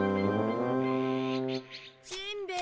しんべヱ